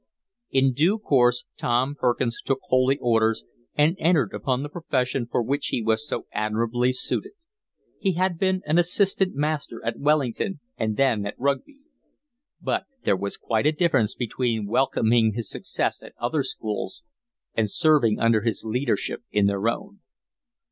In due course Tom Perkins took Holy Orders and entered upon the profession for which he was so admirably suited. He had been an assistant master at Wellington and then at Rugby. But there was quite a difference between welcoming his success at other schools and serving under his leadership in their own.